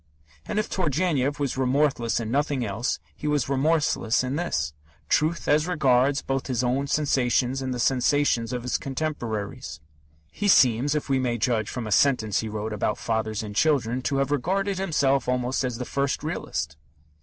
And if Turgenev was remorseless in nothing else, he was remorseless in this truth as regards both his own sensations and the sensations of his contemporaries. He seems, if we may judge from a sentence he wrote about Fathers and Children, to have regarded himself almost as the first realist.